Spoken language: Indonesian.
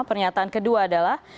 pernyataan kedua adalah